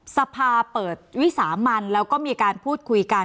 สภาเปิดวิสามันแล้วก็มีการพูดคุยกัน